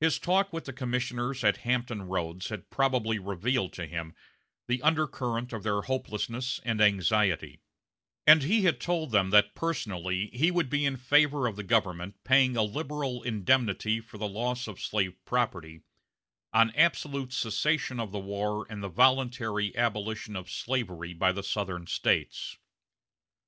His talk with the commissioners at Hampton Roads had probably revealed to him the undercurrent of their hopelessness and anxiety; and he had told them that personally he would be in favor of the government paying a liberal indemnity for the loss of slave property, on absolute cessation of the war and the voluntary abolition of slavery by the Southern States.